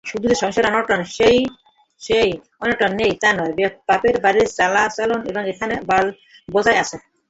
শুধু যে সংসারে অনটন নেই তা নয়, বাপের বাড়ির চালচলন এখানেও বজায় আছে।